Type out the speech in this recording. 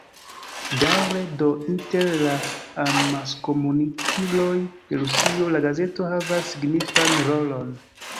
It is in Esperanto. Daŭre do inter la amaskomunikiloj de Rusio la gazeto havas signifan rolon.